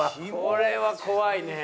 これは怖いね。